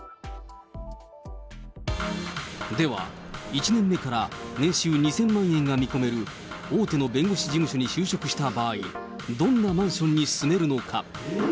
では、１年目から年収２０００万円が見込める大手の弁護士事務所に就職した場合、どんなマンションに住めるのか。